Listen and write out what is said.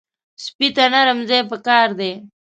سپي ته نرم ځای پکار دی.